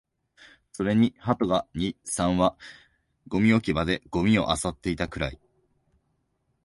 それに鳩が二、三羽、ゴミ置き場でゴミを漁っていたくらい